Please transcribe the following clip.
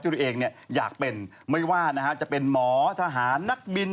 ที่เราเองอยากเป็นไม่ว่าจะเป็นหมอทหารนักบิน